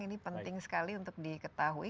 ini penting sekali untuk diketahui